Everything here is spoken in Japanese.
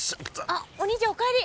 あっお兄ちゃんお帰り。